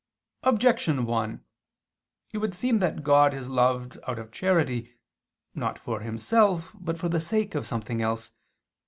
Objection 1: It would seem that God is loved out of charity, not for Himself but for the sake of something else.